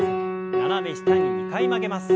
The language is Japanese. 斜め下に２回曲げます。